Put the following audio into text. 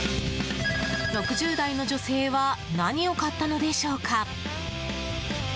６０代の女性は何を買ったのでしょうか。